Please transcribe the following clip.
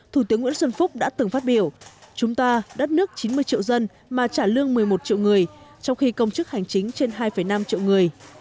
thủ tướng nguyễn xuân phúc đã từng phát biểu chúng ta đất nước chín mươi triệu dân mà trả lương một mươi một triệu người trong khi công chức hành chính trên hai năm triệu người